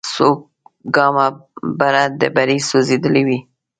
څو ګامه بره ډبرې سوځېدلې وې.